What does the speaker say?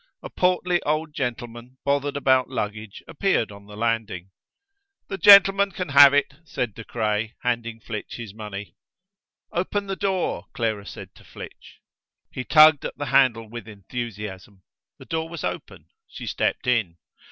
A portly old gentleman bothered about luggage appeared on the landing. "The gentleman can have it," said De Craye, handing Flitch his money. "Open the door." Clara said to Flitch. He tugged at the handle with enthusiasm. The door was open: she stepped in.